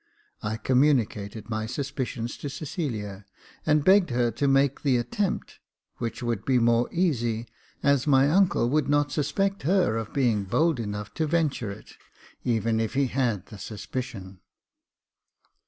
I communi cated my suspicions to Cecilia, and begged her to make the attempt, which would be more easy, as my uncle would not suspect her of being bold enough to venture it, even if he had the suspicion.